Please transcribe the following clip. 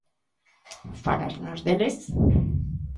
Fálasnos deles?